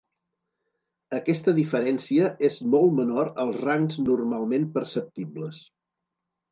Aquesta diferència és molt menor als rangs normalment perceptibles.